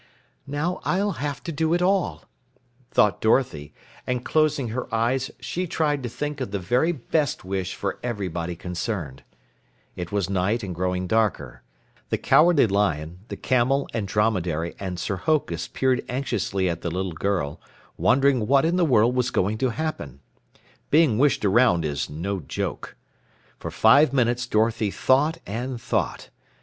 "Now I'll have to do it all," thought Dorothy, and closing her eyes she tried to think of the very best wish for everybody concerned. It was night and growing darker. The Cowardly Lion, the Camel and Dromedary and Sir Hokus peered anxiously at the little girl, wondering what in the world was going to happen. Being wished around is no joke. For five minutes Dorothy thought and thought.